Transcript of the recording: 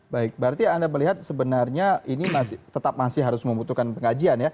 baik berarti anda melihat sebenarnya ini tetap masih harus membutuhkan pengajian ya